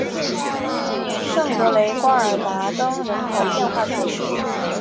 圣格雷瓜尔达登人口变化图示